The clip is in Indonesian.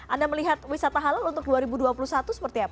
anda melihat wisata halal untuk dua ribu dua puluh satu seperti apa